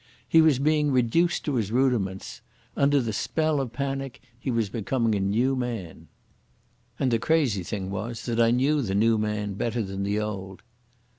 He was being reduced to his rudiments. Under the spell of panic he was becoming a new man. And the crazy thing was that I knew the new man better than the old.